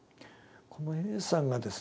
このＡさんがですね